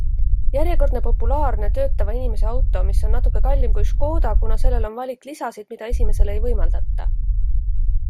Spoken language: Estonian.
Järjekordne populaarne, töötava inimese auto, mis on natuke kallim kui Škoda, kuna sellel on valik lisasid, mida esimesele ei võimaldata.